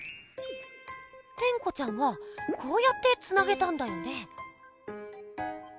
テンコちゃんはこうやってつなげたんだよね？